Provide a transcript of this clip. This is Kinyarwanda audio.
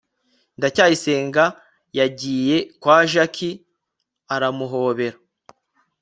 ndacyayisenga yagiye kwa jaki aramuhobera